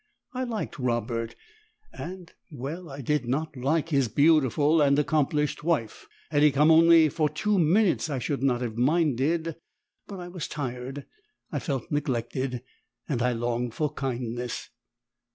I liked Robert, and well, I did not like his beautiful and accomplished wife. Had he come only for two minutes I should not have minded, but I was tired, I felt neglected, and I longed for kindness.